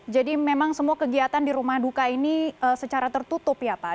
jadi memang semua kegiatan di rumah duka ini secara tertutup ya pak